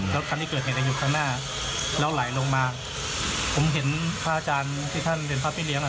แล้วคันที่เกิดเหตุจะอยู่ข้างหน้าแล้วไหลลงมาผมเห็นพระอาจารย์ที่ท่านเป็นพระพี่เลี้ยอ่ะ